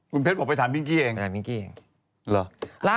คุณเพชรเป็นไง